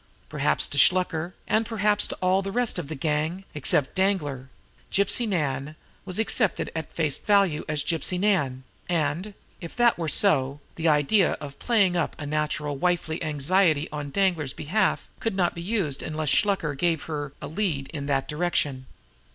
Perhaps to Shluker, and perhaps to all the rest of the gang except Danglar! Gypsy Nan was accepted at face value as just Gypsy Nan; and, if that were so, the idea of playing up a natural wifely anxiety on Danglar's behalf could not be used unless Shluker gave her a lead in that direction.